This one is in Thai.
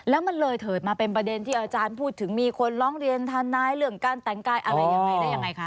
แล้วมันเลยเถิดมาเป็นประเด็นที่อาจารย์พูดถึงมีคนร้องเรียนทนายเรื่องการแต่งกายอะไรยังไงได้ยังไงคะ